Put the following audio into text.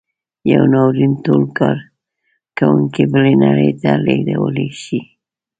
یو ناورین ټول کارکوونکي بلې نړۍ ته لېږدولی شي.